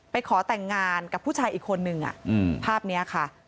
ขอแต่งงานกับผู้ชายอีกคนนึงภาพนี้ค่ะ